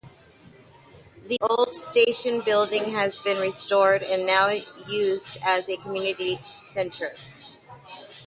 The old station building has been restored and now used as a community centre.